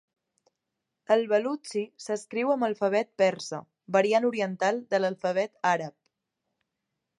El balutxi s'escriu amb alfabet persa, variant oriental de l'alfabet àrab.